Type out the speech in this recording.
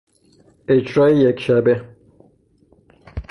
اجرای یکشبه